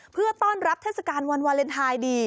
เพื่อต้อนรับเทศกาลวันวาเลนไทยดี